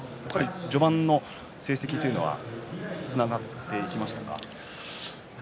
序盤の成績というのはつながっていきましたか。